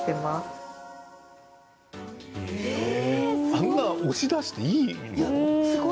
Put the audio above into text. あんなふうに押し出していいの？